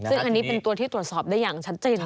ซึ่งอันนี้เป็นตัวที่ตรวจสอบได้อย่างชัดเจน